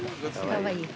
かわいい。